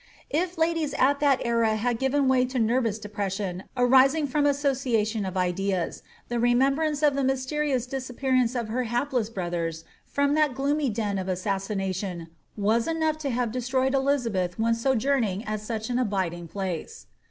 If ladies at that era had given way to nervous depression arising from association of ideas, the remembrance of the mysterious disappearance of her hapless brothers from that gloomy den of assassination was enough to have destroyed Elizabeth when sojourning at such an abiding place.